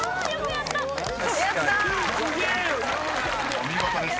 ［お見事です。